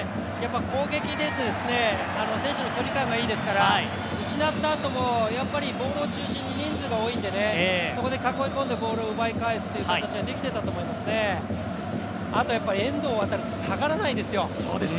攻撃だと選手の距離感がいいですから、失ったあともボールを中心に人数が多いのでそこで囲い込んでボールを奪い返すっていうことができていたと思います、あと遠藤航、下がらないですよ。